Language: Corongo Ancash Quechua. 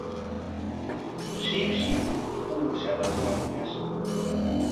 Shipshi uushaata suwakuyashqa.